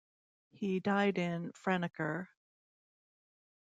He died in Franeker.